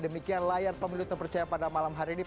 demikian layar pemilu terpercaya pada malam hari ini